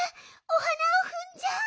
おはなをふんじゃう。